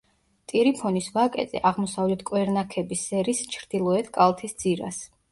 ტირიფონის ვაკეზე, აღმოსავლეთ კვერნაქების სერის ჩრდილოეთ კალთის ძირას.